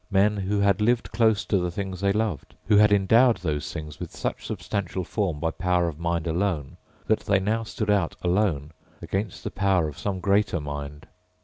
Men who had lived close to the things they loved, who had endowed those things with such substantial form by power of mind alone that they now stood out alone against the power of some greater mind.